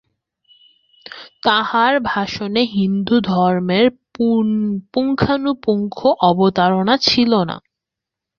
তাঁহার ভাষণে হিন্দুধর্মের পুঙ্খানুপুঙ্খ অবতারণা ছিল না।